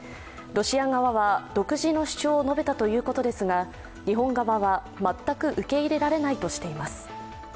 ロシア側は独自の主張を述べたということですが、日本側は全く受け入れられないとしています。